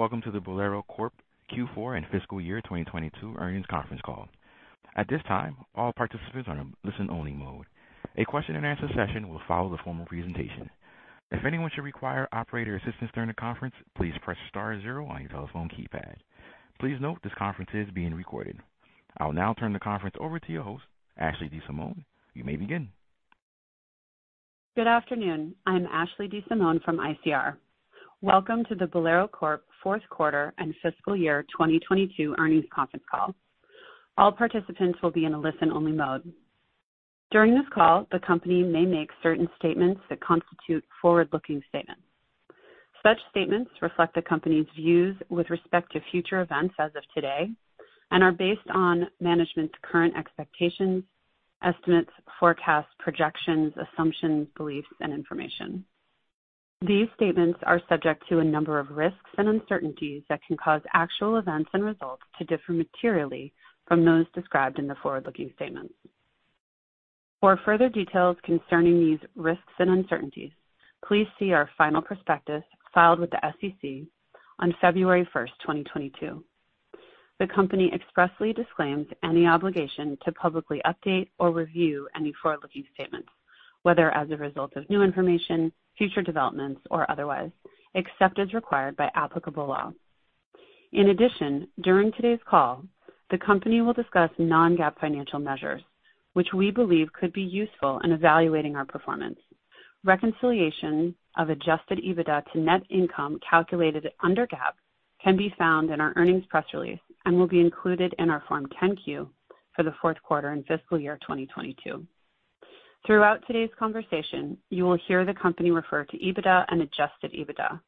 Welcome to the Bowlero Corp Q4 and fiscal year 2022 earnings conference call. At this time, all participants are in listen-only mode. A question and answer session will follow the formal presentation. If anyone should require operator assistance during the conference, please press star zero on your telephone keypad. Please note this conference is being recorded. I'll now turn the conference over to your host, Ashley DeSimone. You may begin. Good afternoon. I'm Ashley DeSimone from ICR. Welcome to the Bowlero Corp fourth quarter and fiscal year 2022 earnings conference call. All participants will be in a listen-only mode. During this call, the company may make certain statements that constitute forward-looking statements. Such statements reflect the company's views with respect to future events as of today, and are based on management's current expectations, estimates, forecasts, projections, assumptions, beliefs, and information. These statements are subject to a number of risks and uncertainties that can cause actual events and results to differ materially from those described in the forward-looking statements. For further details concerning these risks and uncertainties, please see our final prospectus filed with the SEC on February 1st, 2022. The company expressly disclaims any obligation to publicly update or review any forward-looking statements, whether as a result of new information, future developments, or otherwise, except as required by applicable law. In addition, during today's call, the company will discuss non-GAAP financial measures, which we believe could be useful in evaluating our performance. Reconciliation of adjusted EBITDA to net income calculated under GAAP can be found in our earnings press release and will be included in our Form 10-Q for the fourth quarter and fiscal year 2022. Throughout today's conversation, you will hear the company refer to EBITDA and adjusted EBITDA.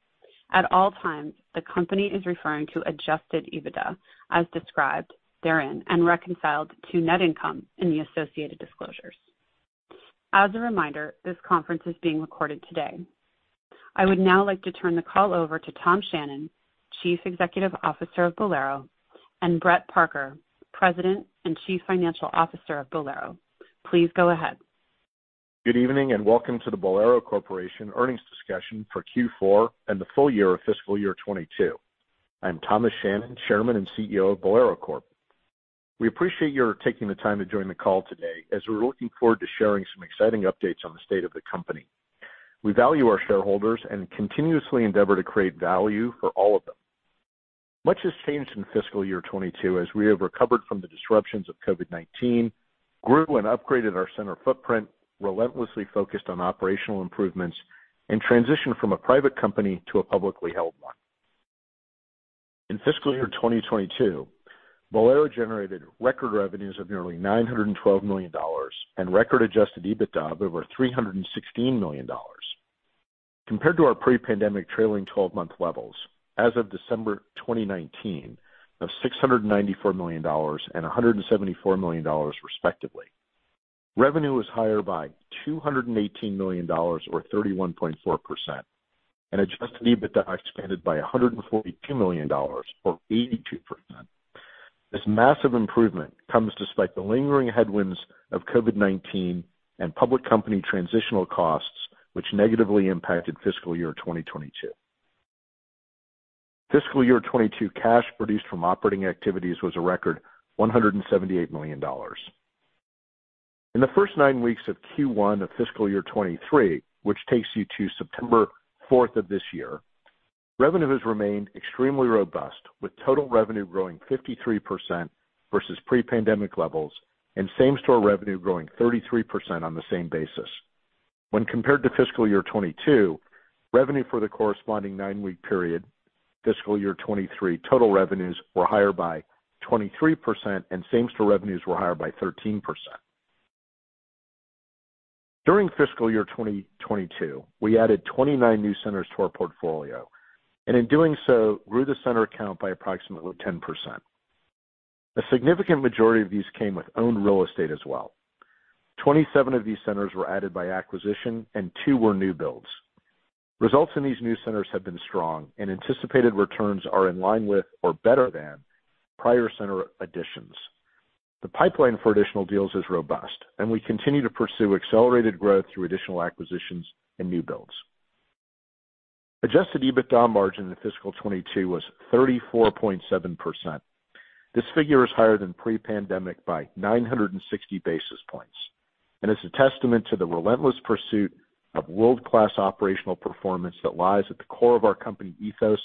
At all times, the company is referring to adjusted EBITDA as described therein and reconciled to net income in the associated disclosures. As a reminder, this conference is being recorded today.I would now like to turn the call over to Tom Shannon, Chief Executive Officer of Bowlero, and Brett Parker, President and Chief Financial Officer of Bowlero. Please go ahead. Good evening, and welcome to the Bowlero Corporation earnings discussion for Q4 and the full year of fiscal year 2022. I'm Thomas Shannon, Chairman and CEO of Bowlero Corp. We appreciate your taking the time to join the call today as we're looking forward to sharing some exciting updates on the state of the company. We value our shareholders and continuously endeavor to create value for all of them. Much has changed in fiscal year 2022 as we have recovered from the disruptions of COVID-19, grew and upgraded our center footprint, relentlessly focused on operational improvements, and transitioned from a private company to a publicly held one. In fiscal year 2022, Bowlero generated record revenues of nearly $912 million and record adjusted EBITDA of over $316 million. Compared to our pre-pandemic trailing twelve-month levels as of December 2019 of $694 million and $174 million, respectively. Revenue is higher by $218 million or 31.4%, and adjusted EBITDA expanded by $142 million or 82%. This massive improvement comes despite the lingering headwinds of COVID-19 and public company transitional costs, which negatively impacted fiscal year 2022. Fiscal year 2022 cash produced from operating activities was a record $178 million. In the first nine weeks of Q1 of fiscal year 2023, which takes you to September 4th of this year, revenue has remained extremely robust, with total revenue growing 53% versus pre-pandemic levels and same-store revenue growing 33% on the same basis. When compared to fiscal year 2022, revenue for the corresponding nine week period, fiscal year 2023 total revenues were higher by 23%, and same-store revenues were higher by 13%. During fiscal year 2022, we added 29 new centers to our portfolio and in doing so grew the center count by approximately 10%. A significant majority of these came with owned real estate as well. 27 of these centers were added by acquisition and two were new builds. Results in these new centers have been strong and anticipated returns are in line with or better than prior center additions. The pipeline for additional deals is robust and we continue to pursue accelerated growth through additional acquisitions and new builds. Adjusted EBITDA margin in fiscal 2022 was 34.7%. This figure is higher than pre-pandemic by 960 basis points and is a testament to the relentless pursuit of world-class operational performance that lies at the core of our company ethos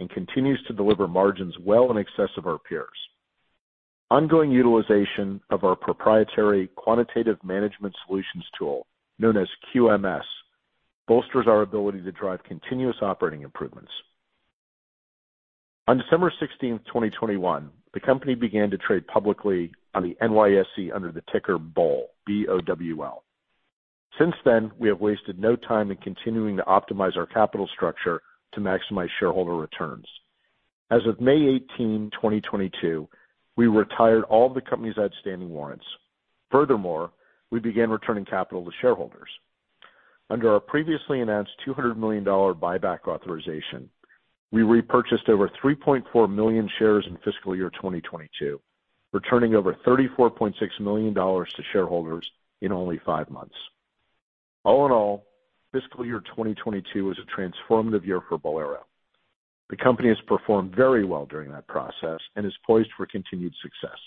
and continues to deliver margins well in excess of our peers. Ongoing utilization of our proprietary quantitative management solutions tool known as QMS bolsters our ability to drive continuous operating improvements. On December 16, 2021, the company began to trade publicly on the NYSE under the ticker BOWL, B-O-W-L. Since then, we have wasted no time in continuing to optimize our capital structure to maximize shareholder returns. As of May 18, 2022, we retired all the company's outstanding warrants. Furthermore, we began returning capital to shareholders. Under our previously announced $200 million buyback authorization, we repurchased over 3.4 million shares in fiscal year 2022, returning over $34.6 million to shareholders in only five months. All in all, fiscal year 2022 is a transformative year for Bowlero. The company has performed very well during that process and is poised for continued success.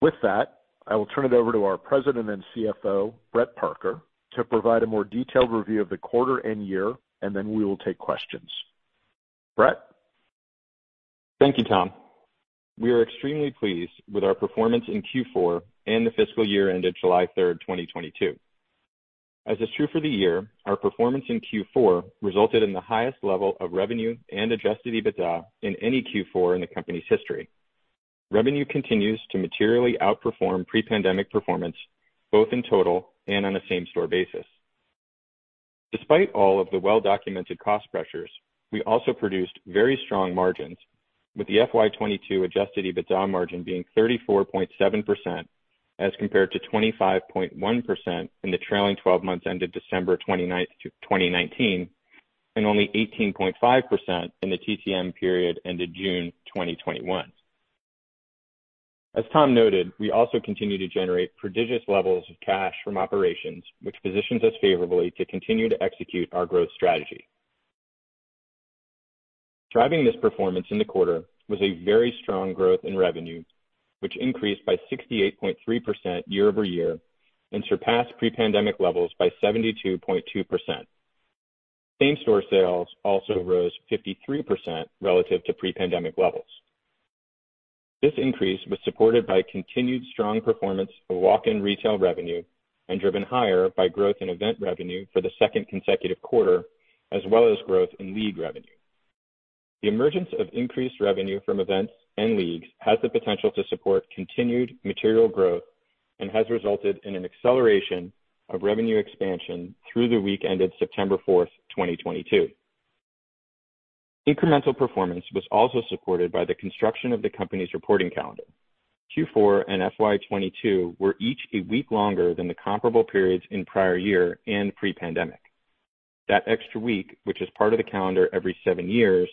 With that, I will turn it over to our President and CFO, Brett Parker, to provide a more detailed review of the quarter and year, and then we will take questions. Brett? Thank you, Tom. We are extremely pleased with our performance in Q4 and the fiscal year ended July 3, 2022. As is true for the year, our performance in Q4 resulted in the highest level of revenue and adjusted EBITDA in any Q4 in the company's history. Revenue continues to materially outperform pre-pandemic performance, both in total and on a same store basis. Despite all of the well-documented cost pressures, we also produced very strong margins with the FY 2022 adjusted EBITDA margin being 34.7% as compared to 25.1% in the trailing twelve months ended December 29, 2019, and only 18.5% in the TTM period ended June 2021. As Tom noted, we also continue to generate prodigious levels of cash from operations, which positions us favorably to continue to execute our growth strategy. Driving this performance in the quarter was a very strong growth in revenue, which increased by 68.3% year-over-year and surpassed pre-pandemic levels by 72.2%. Same store sales also rose 53% relative to pre-pandemic levels. This increase was supported by continued strong performance of walk-in retail revenue and driven higher by growth in event revenue for the second consecutive quarter, as well as growth in league revenue. The emergence of increased revenue from events and leagues has the potential to support continued material growth and has resulted in an acceleration of revenue expansion through the week ended September 4, 2022. Incremental performance was also supported by the construction of the company's reporting calendar. Q4 and FY 2022 were each a week longer than the comparable periods in prior year and pre-pandemic. That extra week, which is part of the calendar every seven years,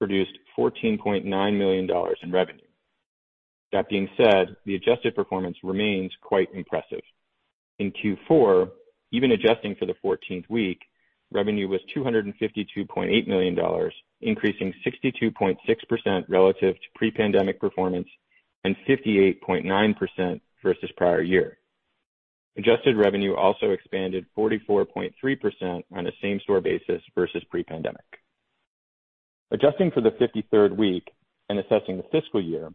produced $14.9 million in revenue. That being said, the adjusted performance remains quite impressive. In Q4, even adjusting for the fourteenth week, revenue was $252.8 million, increasing 62.6% relative to pre-pandemic performance and 58.9% versus prior year. Adjusted revenue also expanded 44.3% on a same store basis versus pre-pandemic. Adjusting for the fifty-third week and assessing the fiscal year,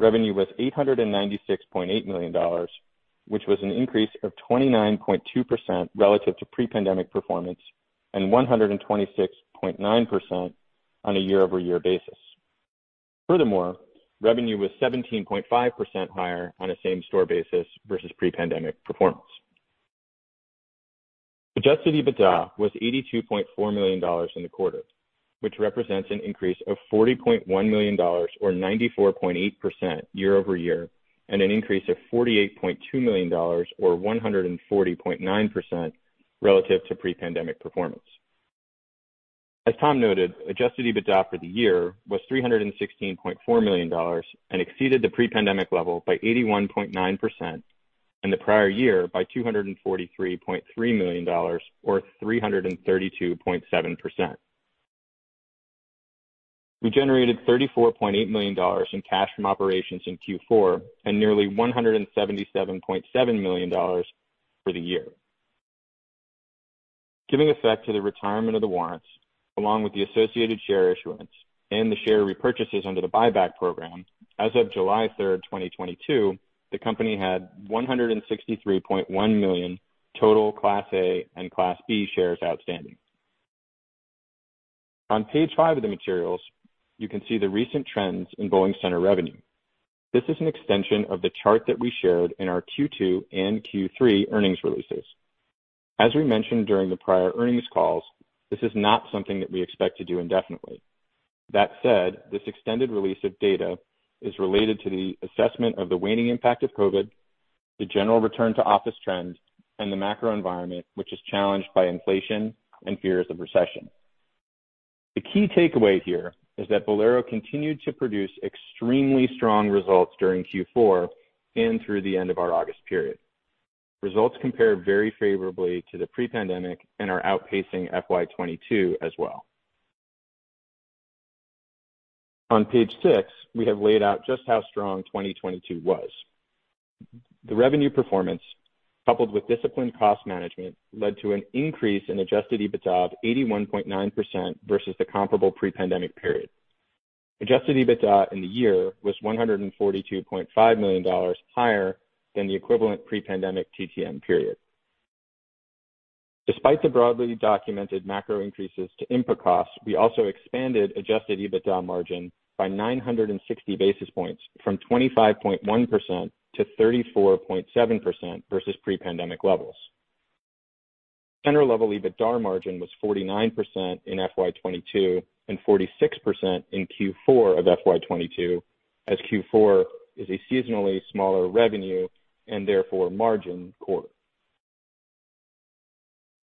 revenue was $896.8 million, which was an increase of 29.2% relative to pre-pandemic performance and 126.9% on a year-over-year basis. Furthermore, revenue was 17.5% higher on a same store basis versus pre-pandemic performance. Adjusted EBITDA was $82.4 million in the quarter, which represents an increase of $40.1 million or 94.8% year-over-year, and an increase of $48.2 million or 140.9% relative to pre-pandemic performance. As Tom noted, adjusted EBITDA for the year was $316.4 million and exceeded the pre-pandemic level by 81.9%, and the prior year by $243.3 million or 332.7%. We generated $34.8 million in cash from operations in Q4 and nearly $177.7 million for the year. Giving effect to the retirement of the warrants along with the associated share issuance and the share repurchases under the buyback program, as of July 3rd, 2022, the company had 163.1 million total Class A and Class B shares outstanding. On page five of the materials, you can see the recent trends in bowling center revenue. This is an extension of the chart that we shared in our Q2 and Q3 earnings releases. As we mentioned during the prior earnings calls, this is not something that we expect to do indefinitely. That said, this extended release of data is related to the assessment of the waning impact of COVID, the general return to office trend, and the macro environment, which is challenged by inflation and fears of recession. The key takeaway here is that Bowlero continued to produce extremely strong results during Q4 and through the end of our August period. Results compare very favorably to the pre-pandemic and are outpacing FY 2022 as well. On page six, we have laid out just how strong 2022 was. The revenue performance, coupled with disciplined cost management, led to an increase in adjusted EBITDA of 81.9% versus the comparable pre-pandemic period. Adjusted EBITDA in the year was $142.5 million higher than the equivalent pre-pandemic TTM period. Despite the broadly documented macro increases to input costs, we also expanded adjusted EBITDA margin by 960 basis points from 25.1%-34.7% versus pre-pandemic levels. Center level EBITDA margin was 49% in FY 2022 and 46% in Q4 of FY 2022, as Q4 is a seasonally smaller revenue and therefore margin quarter.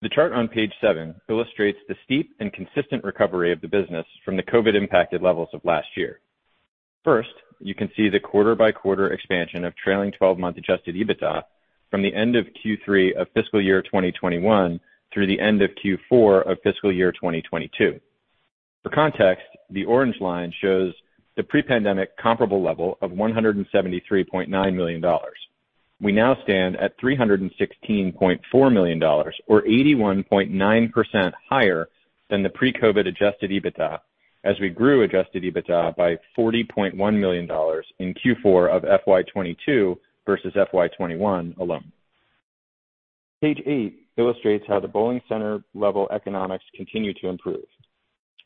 The chart on page seven illustrates the steep and consistent recovery of the business from the COVID-impacted levels of last year. First, you can see the quarter by quarter expansion of trailing twelve-month adjusted EBITDA from the end of Q3 of fiscal year 2021 through the end of Q4 of fiscal year 2022. For context, the orange line shows the pre-pandemic comparable level of $173.9 million. We now stand at $316.4 million, or 81.9% higher than the pre-COVID adjusted EBITDA, as we grew adjusted EBITDA by $40.1 million in Q4 of FY 2022 versus FY 2021 alone. Page eight, illustrates how the bowling center level economics continue to improve.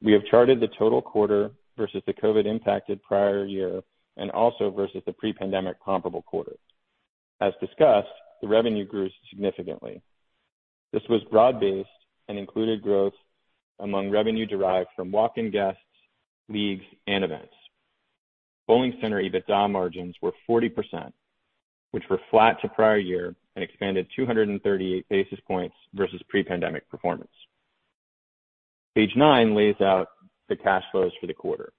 We have charted the total quarter versus the COVID impacted prior year and also versus the pre-pandemic comparable quarter. As discussed, the revenue grew significantly. This was broad-based and included growth among revenue derived from walk-in guests, leagues, and events. Bowling center EBITDA margins were 40%, which were flat to prior year and expanded 238 basis points versus pre-pandemic performance. Page nine, lays out the cash flows for the quarter.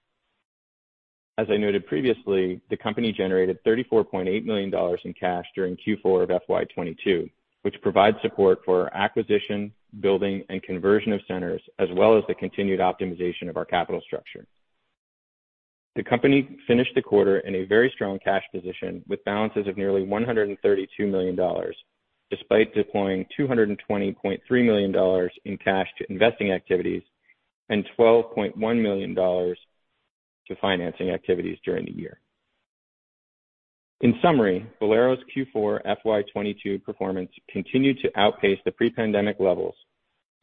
As I noted previously, the company generated $34.8 million in cash during Q4 of FY 2022, which provides support for acquisition, building and conversion of centers, as well as the continued optimization of our capital structure. The company finished the quarter in a very strong cash position with balances of nearly $132 million, despite deploying $220.3 million in cash to investing activities and $12.1 million to financing activities during the year. In summary, Bowlero's Q4 FY 2022 performance continued to outpace the pre-pandemic levels,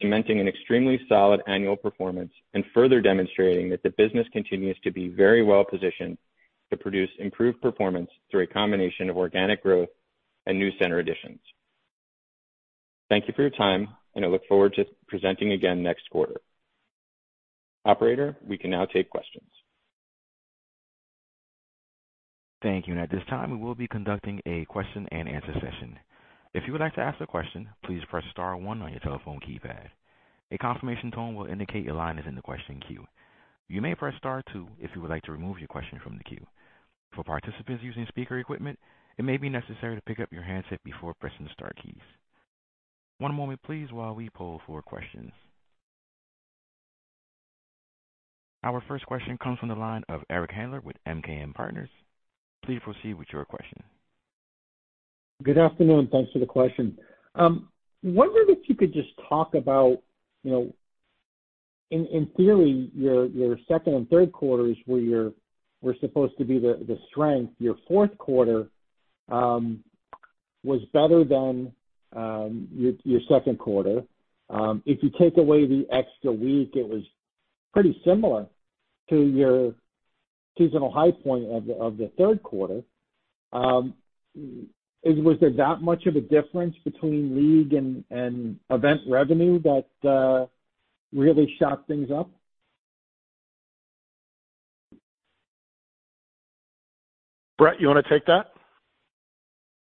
cementing an extremely solid annual performance and further demonstrating that the business continues to be very well positioned to produce improved performance through a combination of organic growth and new center additions. Thank you for your time, and I look forward to presenting again next quarter. Operator, we can now take questions. Thank you. At this time, we will be conducting a question and answer session. If you would like to ask a question, please press star one on your telephone keypad. A confirmation tone will indicate your line is in the question queue. You may press star two if you would like to remove your question from the queue. For participants using speaker equipment, it may be necessary to pick up your handset before pressing the star keys. One moment please while we poll for questions. Our first question comes from the line of Eric Handler with MKM Partners. Please proceed with your question. Good afternoon. Thanks for the question. Wondering if you could just talk about, you know, in theory, your second and third quarters were supposed to be the strength. Your fourth quarter was better than your second quarter. If you take away the extra week, it was pretty similar to your seasonal high point of the third quarter. Was there that much of a difference between league and event revenue that really shot things up? Brett, you want to take that?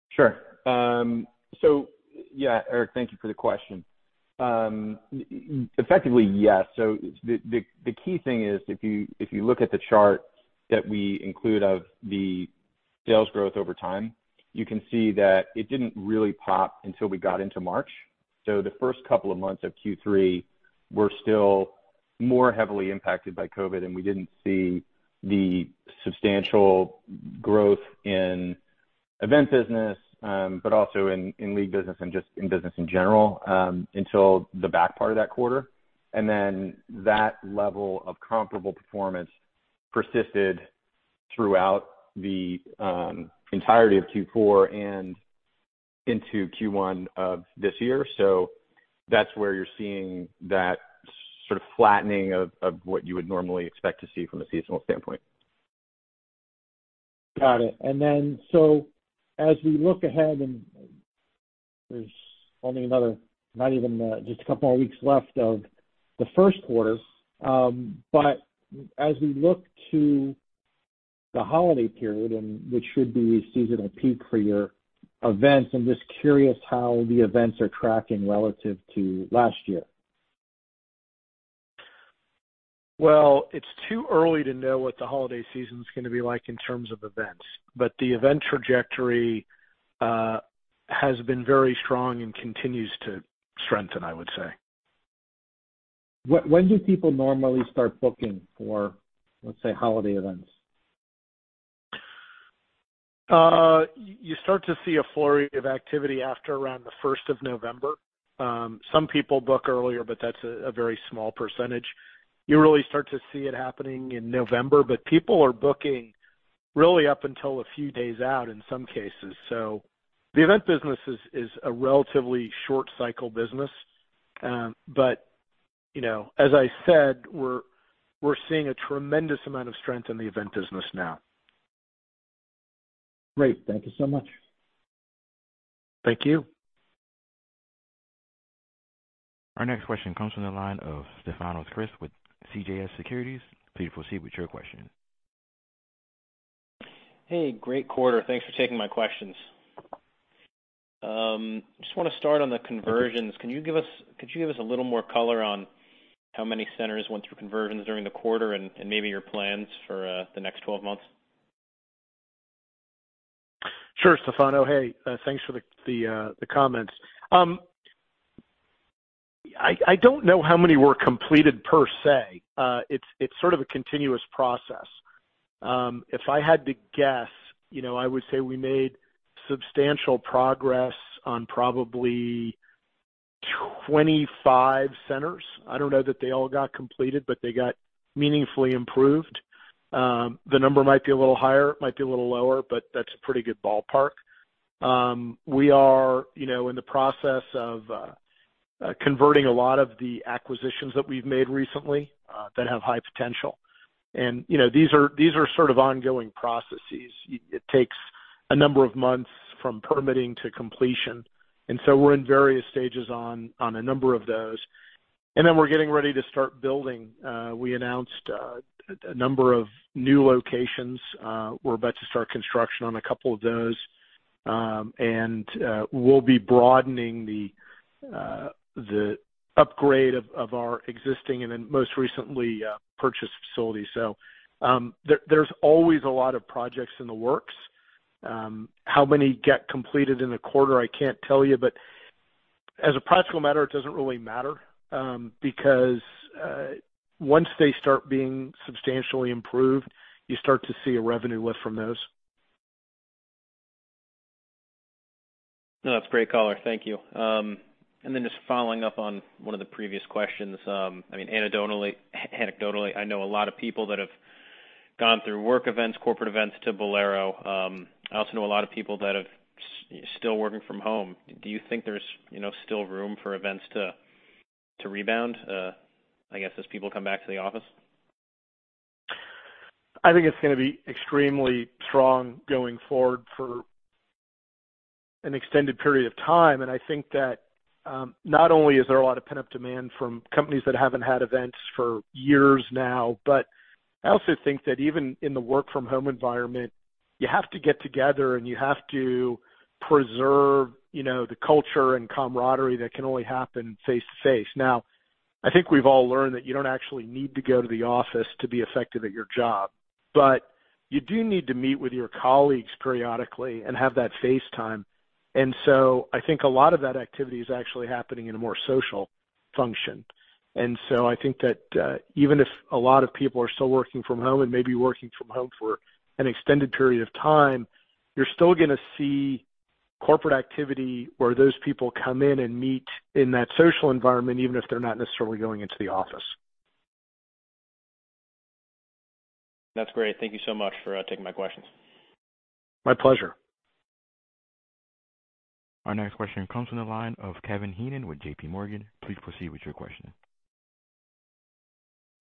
Sure. Eric, thank you for the question. Effectively, yes. The key thing is if you look at the chart that we include of the sales growth over time, you can see that it didn't really pop until we got into March. The first couple of months of Q3 were still more heavily impacted by COVID, and we didn't see the substantial growth in event business, but also in league business and just in business in general, until the back part of that quarter. That level of comparable performance persisted throughout the entirety of Q4 and into Q1 of this year. That's where you're seeing that sort of flattening of what you would normally expect to see from a seasonal standpoint. Got it. As we look ahead and there's only another, not even, just a couple of weeks left of the first quarter, but as we look to the holiday period and which should be a seasonal peak for your events, I'm just curious how the events are tracking relative to last year. Well, it's too early to know what the holiday season is gonna be like in terms of events, but the event trajectory has been very strong and continues to strengthen, I would say. When do people normally start booking for, let's say, holiday events? You start to see a flurry of activity after around the first of November. Some people book earlier, but that's a very small percentage. You really start to see it happening in November, but people are booking really up until a few days out in some cases. The event business is a relatively short cycle business. You know, as I said, we're seeing a tremendous amount of strength in the event business now. Great. Thank you so much. Thank you. Our next question comes from the line of Stefanos Crist with CJS Securities. Please proceed with your question. Hey, great quarter. Thanks for taking my questions. Just wanna start on the conversions. Could you give us a little more color on how many centers went through conversions during the quarter and maybe your plans for the next 12 months? Sure, Stefanos. Hey, thanks for the comments. I don't know how many were completed per se. It's sort of a continuous process. If I had to guess, you know, I would say we made substantial progress on probably 25 centers. I don't know that they all got completed, but they got meaningfully improved. The number might be a little higher, it might be a little lower, but that's a pretty good ballpark. We are, you know, in the process of converting a lot of the acquisitions that we've made recently, that have high potential. You know, these are sort of ongoing processes. It takes a number of months from permitting to completion, and so we're in various stages on a number of those. We're getting ready to start building. We announced a number of new locations, we're about to start construction on a couple of those. We'll be broadening the upgrade of our existing and then most recently purchased facilities. There's always a lot of projects in the works. How many get completed in a quarter, I can't tell you, but as a practical matter, it doesn't really matter, because once they start being substantially improved, you start to see a revenue lift from those. No, that's great color. Thank you. Just following up on one of the previous questions, I mean, anecdotally I know a lot of people that have gone through work events, corporate events to Bowlero. I also know a lot of people that have still working from home. Do you think there's, you know, still room for events to rebound, I guess as people come back to the office? I think it's gonna be extremely strong going forward for an extended period of time. I think that, not only is there a lot of pent-up demand from companies that haven't had events for years now, but I also think that even in the work from home environment, you have to get together and you have to preserve, you know, the culture and camaraderie that can only happen face-to-face. Now, I think we've all learned that you don't actually need to go to the office to be effective at your job, but you do need to meet with your colleagues periodically and have that face time. I think a lot of that activity is actually happening in a more social function. I think that, even if a lot of people are still working from home and may be working from home for an extended period of time, you're still gonna see corporate activity where those people come in and meet in that social environment, even if they're not necessarily going into the office. That's great. Thank you so much for taking my questions. My pleasure. Our next question comes from the line of Kevin Heenan with JPMorgan. Please proceed with your question.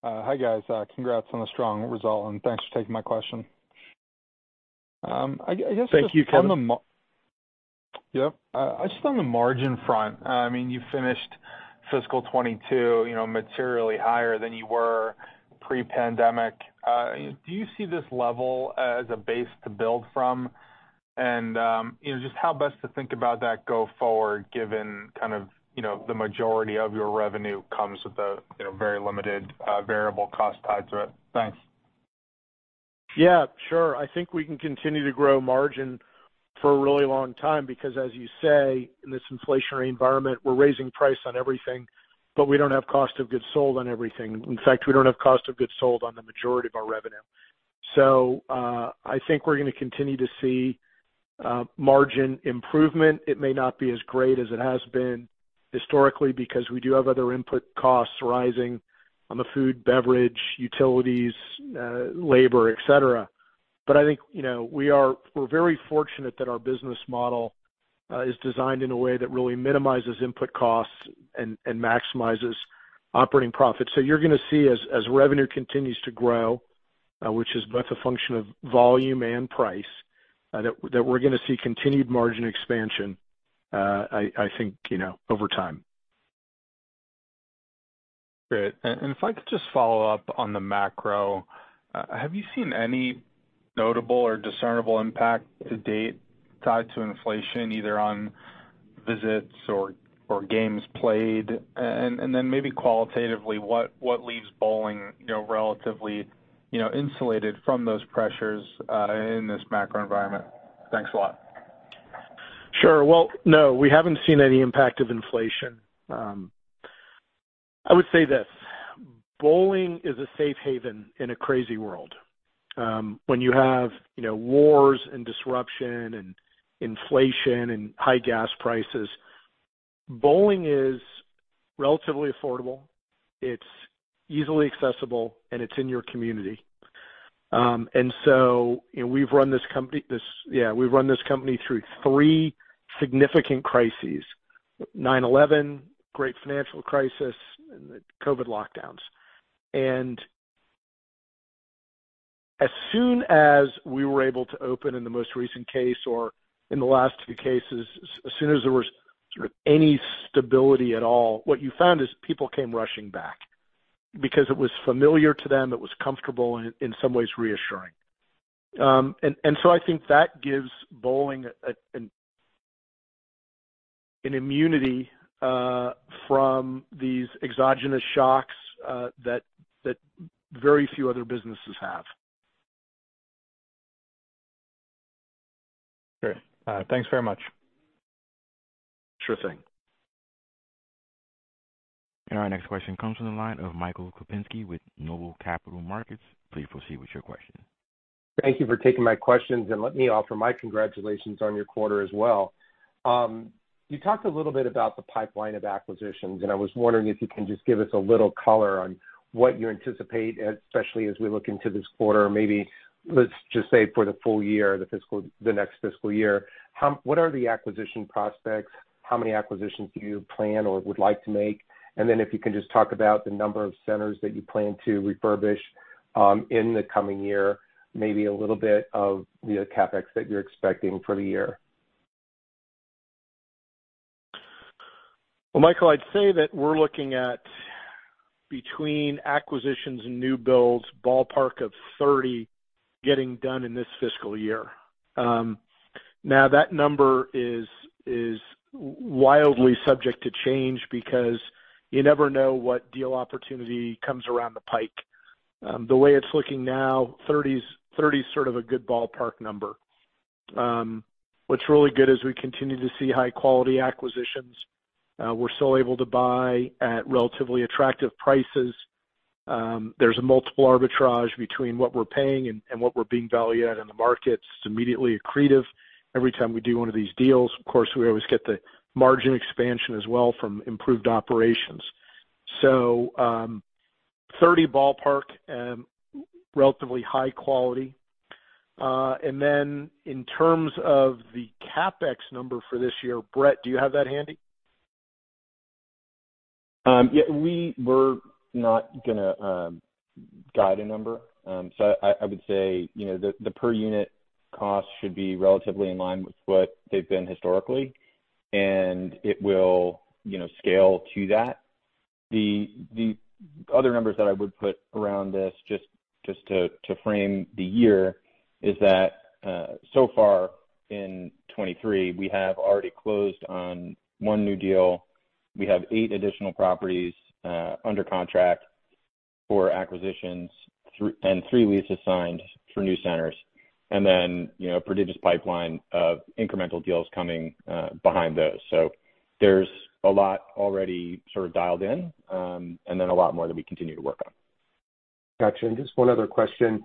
Hi, guys. Congrats on the strong result, and thanks for taking my question. I guess Thank you, Kevin. Yup. Just on the margin front, I mean, you finished fiscal 2022, you know, materially higher than you were pre-pandemic. Do you see this level as a base to build from? You know, just how best to think about that go forward, given kind of, you know, the majority of your revenue comes with a, you know, very limited variable cost tied to it. Thanks. Yeah, sure. I think we can continue to grow margin for a really long time because as you say, in this inflationary environment, we're raising price on everything, but we don't have cost of goods sold on everything. In fact, we don't have cost of goods sold on the majority of our revenue. I think we're gonna continue to see margin improvement. It may not be as great as it has been historically because we do have other input costs rising on the food, beverage, utilities, labor, et cetera. I think, you know, we're very fortunate that our business model is designed in a way that really minimizes input costs and maximizes operating profits. You're gonna see as revenue continues to grow, which is both a function of volume and price, that we're gonna see continued margin expansion, I think, you know, over time. Great. If I could just follow up on the macro. Have you seen any notable or discernible impact to date tied to inflation, either on visits or games played? Maybe qualitatively, what leaves bowling, you know, relatively, you know, insulated from those pressures in this macro environment? Thanks a lot. Sure. Well, no, we haven't seen any impact of inflation. I would say this, bowling is a safe haven in a crazy world. When you have, you know, wars and disruption and inflation and high gas prices, bowling is relatively affordable, it's easily accessible, and it's in your community. You know, we've run this company through three significant crises, 9/11, great financial crisis, and the COVID lockdowns. As soon as we were able to open in the most recent case or in the last few cases, as soon as there was sort of any stability at all, what you found is people came rushing back because it was familiar to them, it was comfortable, and in some ways reassuring. I think that gives bowling an immunity from these exogenous shocks that very few other businesses have. Great. Thanks very much. Sure thing. Our next question comes from the line of Michael Kupinski with Noble Capital Markets. Please proceed with your question. Thank you for taking my questions, and let me offer my congratulations on your quarter as well. You talked a little bit about the pipeline of acquisitions, and I was wondering if you can just give us a little color on what you anticipate, especially as we look into this quarter, or maybe let's just say for the full year, the next fiscal year. What are the acquisition prospects? How many acquisitions do you plan or would like to make? And then if you can just talk about the number of centers that you plan to refurbish, in the coming year, maybe a little bit of the CapEx that you're expecting for the year. Well, Michael, I'd say that we're looking at between acquisitions and new builds, ballpark of 30 getting done in this fiscal year. Now, that number is wildly subject to change because you never know what deal opportunity comes around the pike. The way it's looking now, 30's sort of a good ballpark number. What's really good is we continue to see high quality acquisitions. We're still able to buy at relatively attractive prices. There's a multiple arbitrage between what we're paying and what we're being valued at in the markets. It's immediately accretive every time we do one of these deals. Of course, we always get the margin expansion as well from improved operations. 30 ballpark, relatively high quality. Then in terms of the CapEx number for this year, Brett, do you have that handy? Yeah. We were not gonna guide a number. I would say, you know, the per unit cost should be relatively in line with what they've been historically, and it will, you know, scale to that. The other numbers that I would put around this, just to frame the year, is that, so far in 2023, we have already closed on one new deal. We have eight additional properties under contract for acquisitions and three leases signed for new centers. You know, a prodigious pipeline of incremental deals coming behind those. There's a lot already sort of dialed in, and then a lot more that we continue to work on. Got you. Just one other question.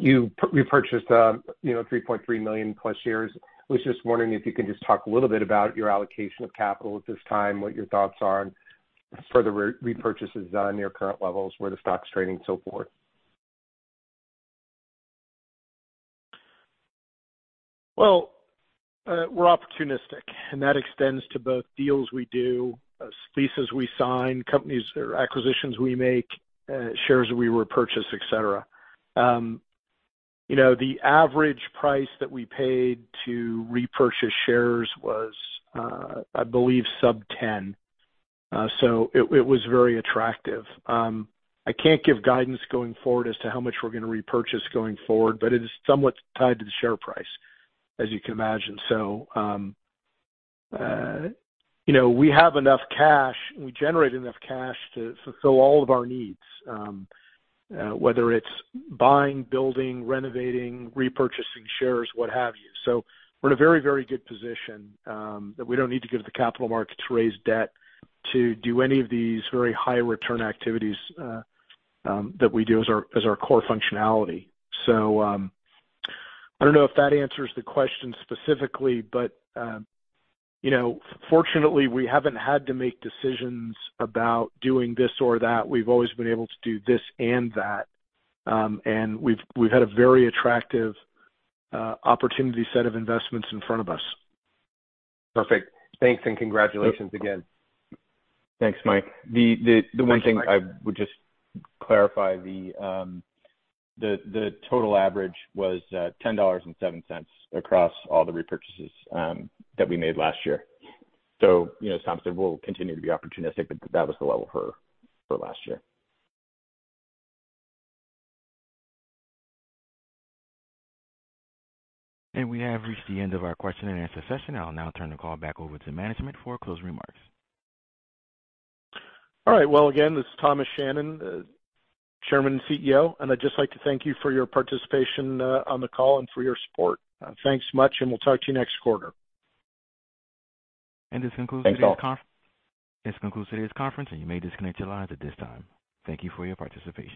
You repurchased, you know, 3.3 million plus shares. I was just wondering if you can just talk a little bit about your allocation of capital at this time, what your thoughts are on further repurchases on your current levels, where the stock's trading and so forth. Well, we're opportunistic, and that extends to both deals we do, leases we sign, companies or acquisitions we make, shares we repurchase, et cetera. You know, the average price that we paid to repurchase shares was, I believe sub $10. It was very attractive. I can't give guidance going forward as to how much we're gonna repurchase going forward, but it is somewhat tied to the share price, as you can imagine. You know, we have enough cash, we generate enough cash to fulfill all of our needs, whether it's buying, building, renovating, repurchasing shares, what have you. We're in a very, very good position that we don't need to go to the capital market to raise debt to do any of these very high return activities that we do as our core functionality. I don't know if that answers the question specifically, but you know, fortunately, we haven't had to make decisions about doing this or that. We've always been able to do this and that. We've had a very attractive opportunity set of investments in front of us. Perfect. Thanks and congratulations again. Thanks, Mike. The one thing I would just clarify, the total average was $10.07 across all the repurchases that we made last year. You know, as Tom said, we'll continue to be opportunistic, but that was the level for last year. We have reached the end of our question and answer session. I'll now turn the call back over to management for closing remarks. All right. Well, again, this is Thomas Shannon, Chairman and CEO, and I'd just like to thank you for your participation on the call and for your support. Thanks much, and we'll talk to you next quarter. Thanks all. This concludes today's conference, and you may disconnect your lines at this time. Thank you for your participation.